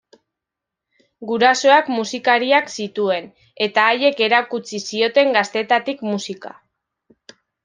Gurasoak musikariak zituen, eta haiek erakutsi zioten gaztetatik musika.